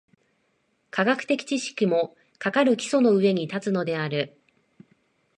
科学的知識も、かかる基礎の上に立つのである。